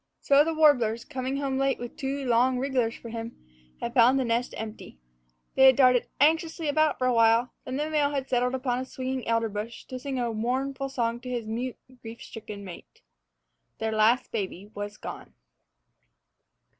So the warblers, coming home late with two long wrigglers for him, had found the nest empty. They had darted anxiously about it for a while, then the male had settled upon a swinging elder branch to sing a mournful song to his mute, grief stricken mate. Their last baby was gone.